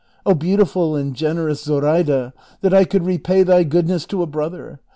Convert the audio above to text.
Oh beautiful and generous Zoraida, that I could repay thy goodness to a brother